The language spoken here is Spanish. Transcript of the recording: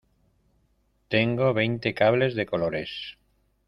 tengo veinte cables de colores